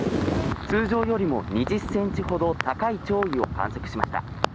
通常よりも２０ｃｍほど高い潮位を観測しました。